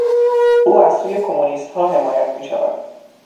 او از سوی کمونیستها حمایت میشود.